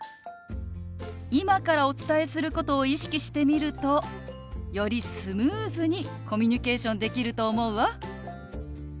今からお伝えすることを意識してみるとよりスムーズにコミュニケーションできると思うわ。